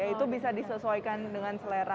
itu bisa disesuaikan dengan selera